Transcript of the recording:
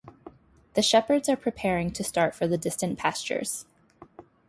The shepherds are preparing to start for the distant pastures.